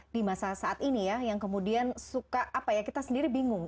di masa saat ini ya yang kemudian suka apa ya kita sendiri bingung